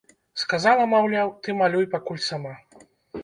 Сказала, маўляў, ты малюй пакуль сама.